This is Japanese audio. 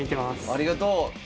ありがとう。